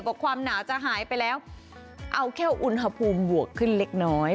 ความหนาวจะหายไปแล้วเอาแค่อุณหภูมิบวกขึ้นเล็กน้อย